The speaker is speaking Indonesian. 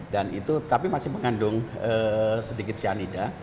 dan itu tapi masih mengandung sedikit cyanida